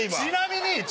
ちなみに！